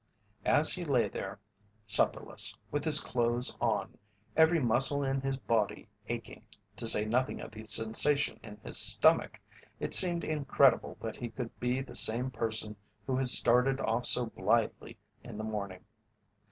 As he lay there, supperless, with his clothes on, every muscle in his body aching, to say nothing of the sensation in his stomach, it seemed incredible that he could be the same person who had started off so blithely in the morning.